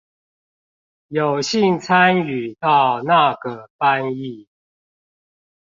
有幸參與到那個翻譯